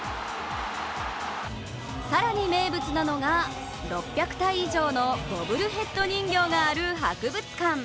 更に名物なのが、６００体以上のボブルヘッド人形がある博物館。